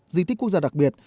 di tích quốc gia đặc biệt